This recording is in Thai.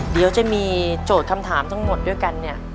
เดี๋ยวจะมีโจทย์คำถามทั้งหมดด้วยกันเนี่ย